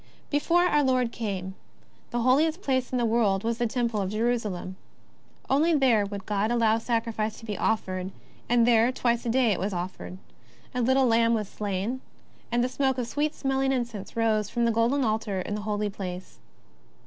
Before our Lord came, the holiest place in the world was the Temple of Jerusalem. Only there would God allow sacrifice to be offered, and there twice a day it was offered — a little lamb was slain, and the smoke of sweet smelling incense rose from the golden altar in the Holy Place.